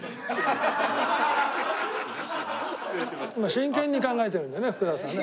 今真剣に考えてるんだよね福田さんね。